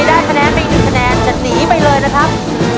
ได้คะแนนไป๑คะแนนจะหนีไปเลยนะครับ